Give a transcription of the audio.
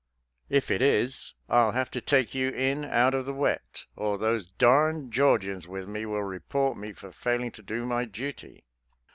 If it is, I'll have to take you in out of the wet, or those darned Georgians with me will report me for failing to do my duty."